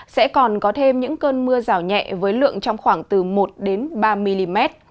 sẽ còn có thêm những cơn mưa rào nhẹ với lượng trong khoảng từ một ba mm